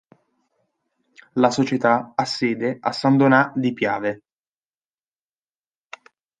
La società ha sede a San Donà di Piave.